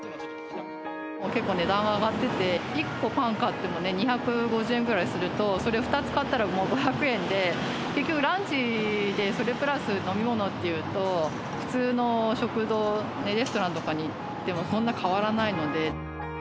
結構値段は上がってて、１個パン買っても２５０円ぐらいすると、それを２つ買ったら、もう５００円で、結局ランチで、それプラス飲み物っていうと、普通の食堂、レストランに行ってもそんな変わらないので。